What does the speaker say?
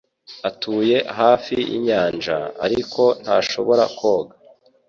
Atuye hafi yinyanja, ariko ntashobora koga.